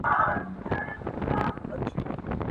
د سیاست بدلیدل د ټولنیزو اړیکو له مخې کېدای سي.